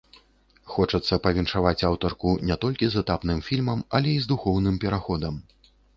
Хочацца павіншаваць аўтарку не толькі з этапным фільмам, але і з духоўным пераходам.